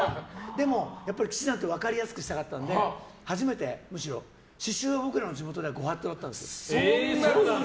でも、氣志團って分かりやすくしたかったので初めて刺しゅうは僕らの地元ではご法度だったんです。